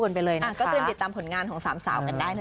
ก็เต้นติดตามผลงานของ๓สาวกันได้นะ